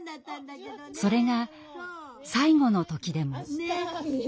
それが最期の時でも。